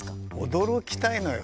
驚きたいのよ。